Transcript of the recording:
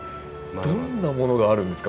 どんなものがあるんですか？